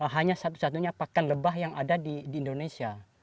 hanya satu satunya pakan lebah yang ada di indonesia